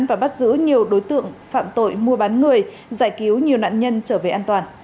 và bắt giữ nhiều đối tượng phạm tội mua bán người giải cứu nhiều nạn nhân trở về an toàn